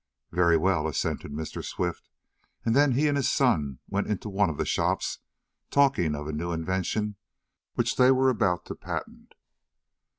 "Very well," assented Mr. Swift, and then he and his son went into one of the shops, talking of a new invention which they were about to patent.